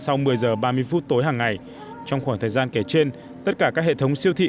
sau một mươi giờ ba mươi phút tối hàng ngày trong khoảng thời gian kể trên tất cả các hệ thống siêu thị